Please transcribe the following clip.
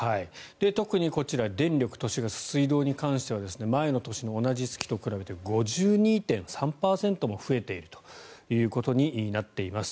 特にこちら電力、都市ガス、水道に関しては前の年の同じ月と比べて５２．３％も増えているということになっています。